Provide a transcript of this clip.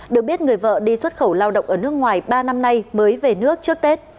được biết người vợ đi xuất khẩu lao động ở nước ngoài ba năm nay mới về nước trước tết